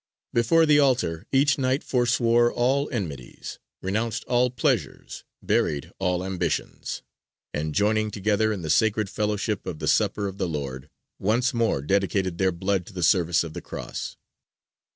Before the altar each Knight foreswore all enmities, renounced all pleasures, buried all ambitions; and joining together in the sacred fellowship of the Supper of the Lord, once more dedicated their blood to the service of the Cross.